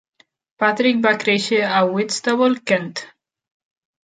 Patrick va créixer a Whitstable, Kent.